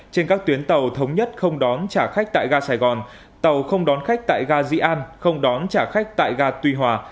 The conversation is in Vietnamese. trên các tuyến tàu thống nhất không đón trả khách tại ga sài gòn tàu không đón khách tại ga dị an không đón trả khách tại ga tuy hòa